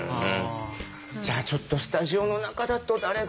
じゃあちょっとスタジオの中だと誰が向いてる。